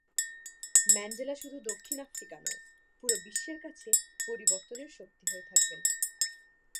Mandela শুধু দক্ষিণ Africa নয়, পুরো বিশ্বের কাছে পরিবর্তনের শক্তি হয়ে থাকবেন।